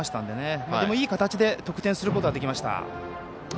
でも、いい形で得点することができました。